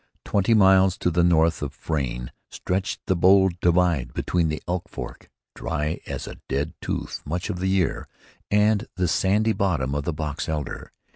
Twenty miles to the north of Frayne stretched the bold divide between the Elk Fork, dry as a dead tooth much of the year, and the sandy bottom of the Box Elder.